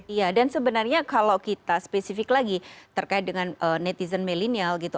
iya dan sebenarnya kalau kita spesifik lagi terkait dengan netizen milenial gitu